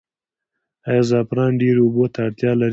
آیا زعفران ډیرې اوبو ته اړتیا لري؟